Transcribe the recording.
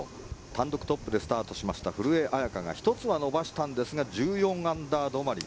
単独トップでスタートしました古江彩佳が１つは伸ばしたんですが１４アンダー止まり。